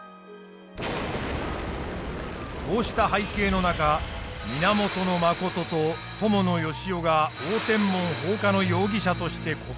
こうした背景の中源信と伴善男が応天門放火の容疑者として告発される。